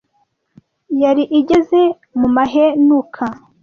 yari igeze mu mahenuka